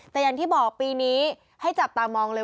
แต่อย่างที่บอกปีนี้ให้จับตามองเลย